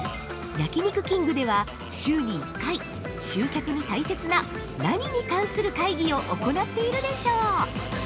◆焼肉きんぐでは、週に１回集客に大切な何に関する会議を行っているでしょう？